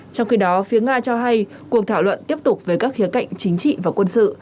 trong khi đó phía nga cho hay cuộc thảo luận tiếp tục về các khía cạnh chính trị và quân sự